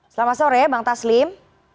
selamat sore bang taslim